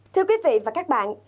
thưa quý vị và các bạn